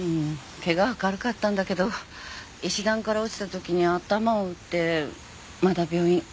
ケガは軽かったんだけど石段から落ちたときに頭を打ってまだ病院。